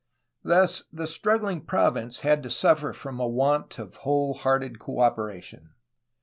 Thus the struggling province had to suffer from a want of whole hearted cooperation.